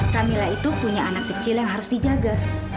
kak mila itu punya anak kecil yang harus dijaga